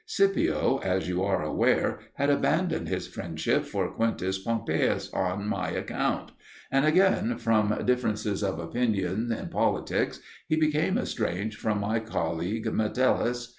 Scipio, as you are aware, had abandoned his friendship for Quintus Pompeius on my account; and again, from differences of opinion in politics, he became estranged from my colleague Metellus.